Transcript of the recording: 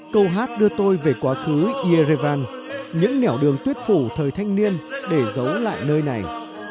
câu hát đưa tôi về quá khứ irrevan những nẻo đường tuyết phủ thời thanh niên để giấu lại nơi này